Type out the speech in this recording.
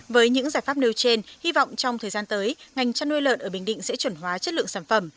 với những giải pháp nêu trên hy vọng trong thời gian tới ngành chăn nuôi lợn ở bình định sẽ chuẩn hóa chất lượng sản phẩm